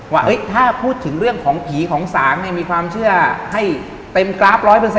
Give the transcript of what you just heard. ว่าถ้าพูดถึงเรื่องของผีของศาลมีความเชื่อให้เต็มกราฟ๑๐๐